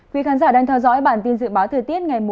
quý khán giả đang theo dõi bản tin dự báo thời tiết ngày một mươi